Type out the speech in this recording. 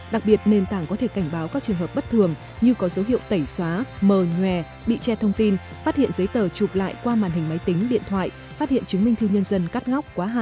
đặc biệt nền tảng có thể cảnh báo các trường hợp bất thường như có dấu hiệu tẩy xóa mờ nhòe bị che thông tin phát hiện giấy tờ chụp lại qua màn hình máy tính điện thoại phát hiện chứng minh thư nhân dân cắt ngóc quá hạn